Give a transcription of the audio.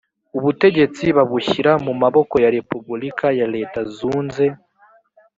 ubutegetsi babushyira mu maboko ya repubulika ya leta zunze